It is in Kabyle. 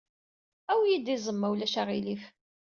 Awi-iyi-d iẓem, ma ulac aɣilif.